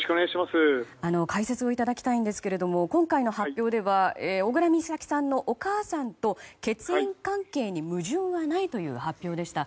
解説をいただきたいんですが今回の発表では小倉美咲さんのお母さんと血縁関係に矛盾はないという発表でした。